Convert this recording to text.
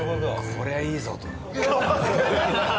こりゃいいぞ！と。